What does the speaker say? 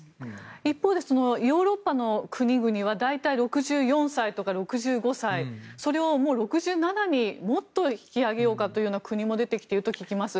一方でヨーロッパの国々は大体、６４歳とか６５歳それをもう６７にもっと引き上げようかという国も出てきていると聞きます。